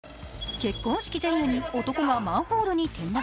結婚式前夜に男がマンホールに転落。